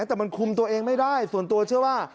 แต่มันคุมตัวเองไม่ได้ส่วนตัวเชื่อว่า